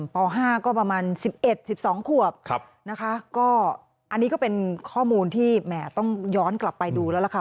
ป๕ก็ประมาณ๑๑๑๒ขวบนะคะก็อันนี้ก็เป็นข้อมูลที่แหมต้องย้อนกลับไปดูแล้วล่ะค่ะ